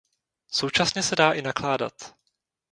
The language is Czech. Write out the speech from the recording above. Současně se dá i nakládat.